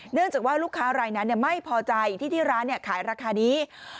เนื่องจากว่าลูกค้ารายนั้นไม่พอใจที่ที่ร้านขายราคานี้